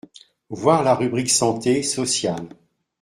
Voir la rubrique santé, social.